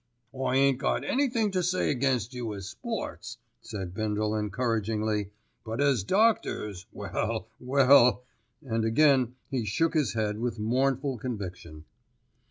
"I ain't got anythink to say against you as sports," said Bindle encouragingly; "but as doctors, well, well!" And again he shook his head with mournful conviction.